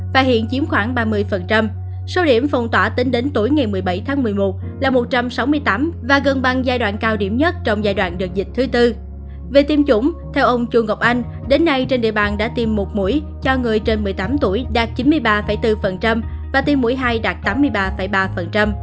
về tiêm chủng theo ông chu ngọc anh đến nay trên địa bàn đã tiêm một mũi cho người trên một mươi tám tuổi đạt chín mươi ba bốn và tiêm mũi hai đạt tám mươi ba ba